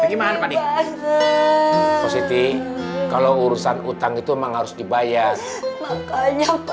bagaimana padi posisi kalau urusan utang itu mengharus dibayar makanya